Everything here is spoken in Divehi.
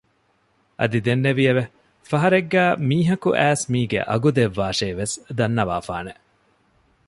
އަދި ދެންނެވިއެވެ ފަހަރެއްގައި މީހަކު އައިސް މީގެ އަގު ދެއްވާށޭ ވެސް ދަންނަވާފާނެ